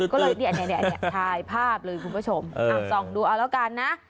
ก็เลยเนี่ยถ่ายภาพเลยคุณผู้ชมส่องดูเอาแล้วกันนะ